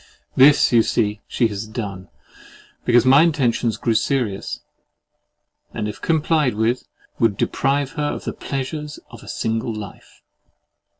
This, you see, she has done, because my intentions grew serious, and if complied with, would deprive her of THE PLEASURES OF A SINGLE LIFE!